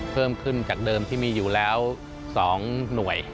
เพิ่มขึ้นจากเดิมที่มีอยู่แล้ว๒หน่วย